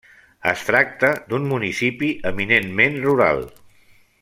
Es tracta d'un municipi eminentment rural.